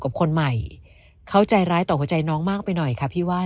กับคนใหม่เขาใจร้ายต่อหัวใจน้องมากไปหน่อยค่ะพี่ว่า